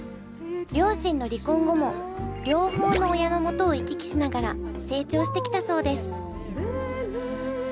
両親の離婚後も両方の親の元を行き来しながら成長してきたそうです。